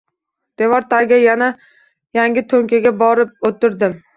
Devor tagiga, yangi toʻnkaga borib oʻtirdim.